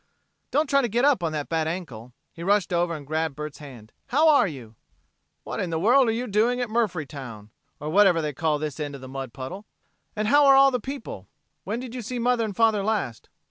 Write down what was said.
"Don't try to get up on that bad ankle." He rushed over and grabbed Bert's hand. "How are you?" "What in the world are you doing at Murphytown? or whatever they call this end of the mud puddle. And how are all the people? When did you see mother and father last?"